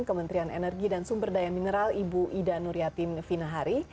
kementerian energi dan sumber daya mineral ibu ida nuriatin vinahari